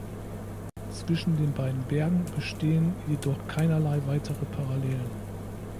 Zwischen den beiden Bergen bestehen jedoch keinerlei weitere Parallelen.